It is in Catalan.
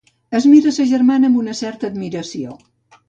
Es mira sa germana amb una certa admiració.